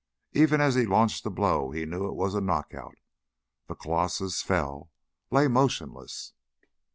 Even as he launched the blow he knew it was a knockout. The colossus fell, lay motionless.